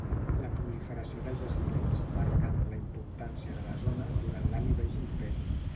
La proliferació de jaciments marquen la importància de la zona durant l'Alt i Baix Imperi.